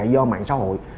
do mạng xã hội